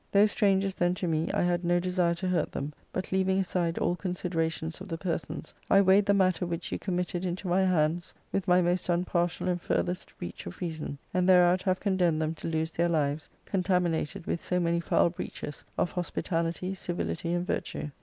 Though strangers then to me, I had no desire to hurt them, but, leaving aside all considerations of the persons, I weighed the matter which you committed into my hands with my most unpartial and farthest reach of reason, and thereout have condemned them to lose their lives, contaminated with so many foul breaches of hospitality, civility, and virtue.